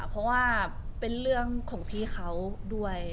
เพราะว่าเป็นเรื่องของพี่เขาด้วย